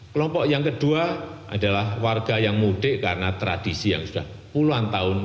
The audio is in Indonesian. kelompok yang kedua adalah warga yang mudik karena tradisi yang sudah puluhan tahun